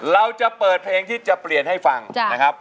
เราจะเปิดเพลงที่จะเปลี่ยนให้ฟังนะครับ